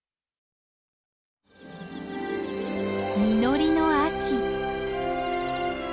実りの秋。